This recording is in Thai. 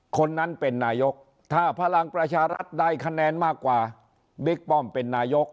คนนั้นเป็นนายกถ้าพลังประชารัฐได้คะแนนมากกว่าบิ๊กป้อมเป็นนายก